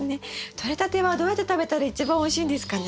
とれたてはどうやって食べたら一番おいしいんですかね？